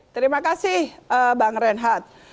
terima kasih bang renhat